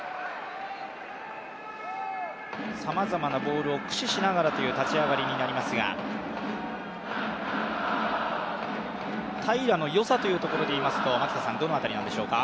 さまざまなボールを駆使しながらという立ち上がりになりますが、平良のよさというところでいうとどの辺りなんでしょうか。